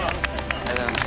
ありがとうございます。